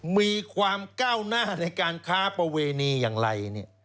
มีความก้าวหน้าในการค้าประเวณีอย่างไร